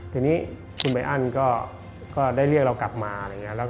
ทีนี้คุณมายอั้นก็ได้เรียกเรากลับมา